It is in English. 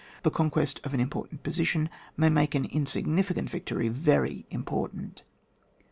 The conquest of an important position may make an in significant victory very important.